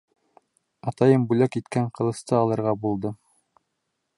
Атайым бүләк иткән ҡылысты алырға булдым.